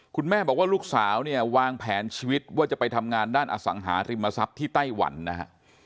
คุณแม่บอกว่าลูกสาวเนี่ยวางแผนชีวิตว่าจะไปทำงานด้านอสังหาริมทรัพย์ที่ไต้หวันนะฮะ